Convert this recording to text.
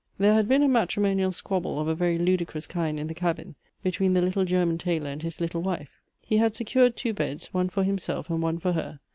There had been a matrimonial squabble of a very ludicrous kind in the cabin, between the little German tailor and his little wife. He had secured two beds, one for himself and one for her.